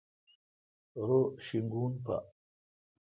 رو شینگون پا۔